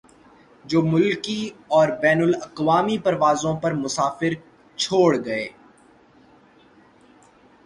جو ملکی اور بین الاقوامی پروازوں پر مسافر چھوڑ گئے